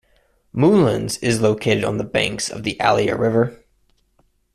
Moulins is located on the banks of the Allier River.